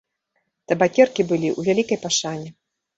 Табакеркі былі ў вялікай пашане.